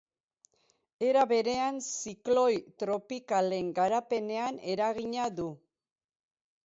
Era berean, zikloi tropikalen garapenean eragina du.